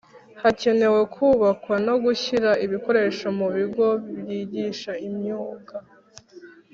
hakenewe kubakwa no gushyira ibikoresho mu bigo byigisha imyuga